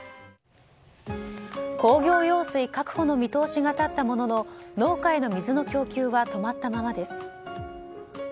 工業用水確保の見通しが立ったものの農家への水の供給は止まったままです。